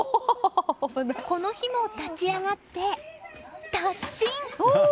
この日も立ち上がって突進！